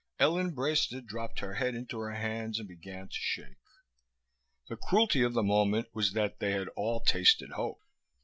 Ellen Braisted dropped her head into her hands and began to shake. The cruelty of the moment was that they had all tasted hope.